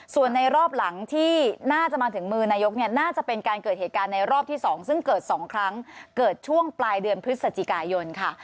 ส่วนในรอบหลังที่น่าจะมาถึงมือนายกเนี่ยน่าจะเป็นการเกิดเหตุการณ์ในรอบที่๒ซึ่งเกิด๒ครั้งเกิดช่วงปลายเดือนพฤศจิกายนค่ะ